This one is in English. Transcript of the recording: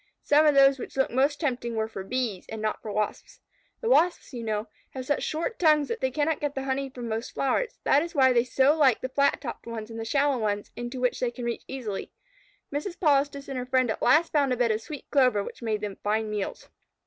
Some of those which looked most tempting were for Bees, and not for Wasps. The Wasps, you know, have such short tongues that they cannot get the honey from most flowers. That is why they so like the flat topped ones and the shallow ones into which they can reach easily. Mrs. Polistes and her friend at last found a bed of sweet clover which made them fine meals.